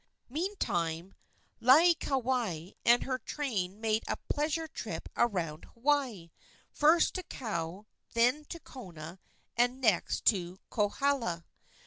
Meantime, Laieikawai and her train made a pleasure trip around Hawaii, first to Kau, then to Kona, and next to Kohala.